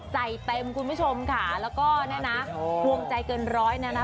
ใจเต็มคุณผู้ชมค่ะแล้วก็เนี่ยนะวงใจเกินร้อยนะนะ